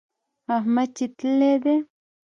احمد چې تللی دی.